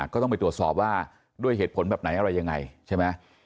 ก็ต้องไปตรวจสอบว่าด้วยเหตุผลแบบไหนอะไรยังไงใช่ไหม